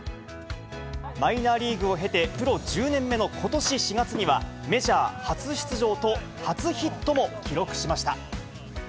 マイナーリーグを経て、プロ１０年目のことし４月には、メジャー初出場と初ヒットも記録しました。